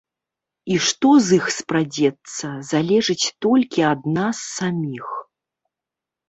І што з іх спрадзецца, залежыць толькі ад нас саміх.